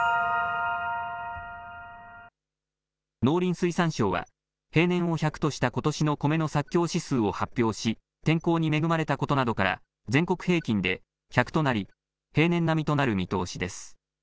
農林水産省は平年を１００としたことしのコメの作況指数を発表し天候に恵まれたことなどから全国平均で１００となり平年並みとなる見通しです。